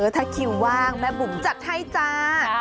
ถ้าคิวว่างแม่บุ๋มจัดให้จ้า